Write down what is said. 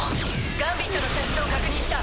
ガンビットの射出を確認した。